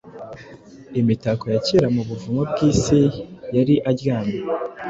Imitako ya kera mu buvumo bwisi yari aryamye